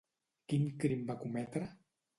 Quin crim va cometre?